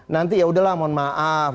nanti yaudahlah mohon maaf